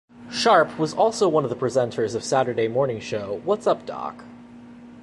Sharp was also one of the presenters of Saturday morning show What's Up Doc?